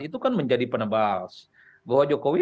itu kan menjadi penebas bahwa jokowi